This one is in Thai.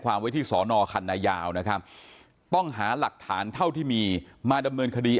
ความวิที่สนคัณะยาวต้องหาหลักฐานเท่าที่มีมาดำเนินคดี